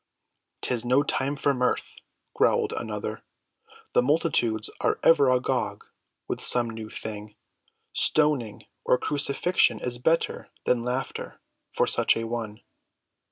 "'Tis no time for mirth," growled another. "The multitudes are ever agog for some new thing; stoning or crucifixion is better than laughter for such an one.